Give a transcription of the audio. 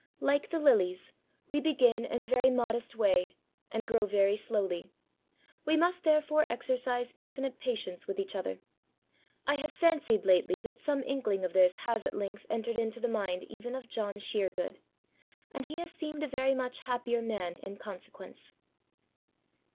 Like the lilies, we begin in a very modest way, and grow very slowly; we must therefore exercise infinite patience with each other. I have fancied lately that some inkling of this has at length entered into the mind even of John Sheergood, and he has seemed a very much happier man in consequence.